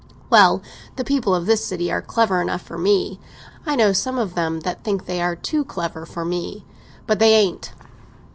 "Well, the people of this city are clever enough for me. I know some of them that think they are too clever for me; but they ain't!"